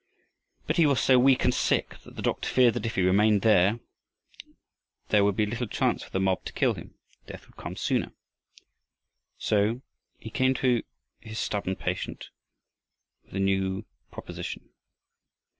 But he was so weak and sick that the doctor feared that if he remained there would be little chance for the mob to kill him: death would come sooner. So he came to his stubborn patient with a new proposition.